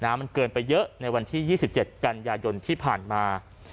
มันเกินไปเยอะในวันที่๒๗กันยายนที่ผ่านมา